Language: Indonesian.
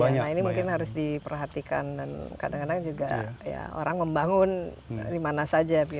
nah ini mungkin harus diperhatikan dan kadang kadang juga ya orang membangun dimana saja